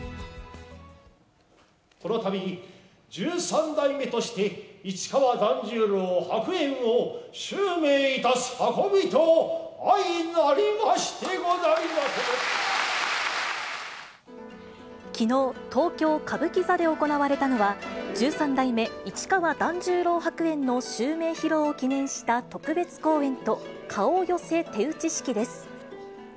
このたび、十三代目として市川團十郎白猿を襲名いたす運びと相成りましてごきのう、東京・歌舞伎座で行われたのは、十三代目市川團十郎白猿の襲名披露を記念した特別公演と、顔寄せ手打式です。